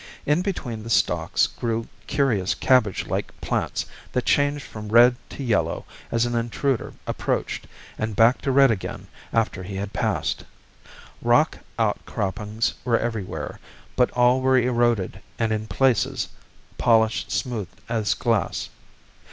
In between the stalks grew curious cabbage like plants that changed from red to yellow as an intruder approached and back to red again after he had passed. Rock outcroppings were everywhere, but all were eroded and in places polished smooth as glass.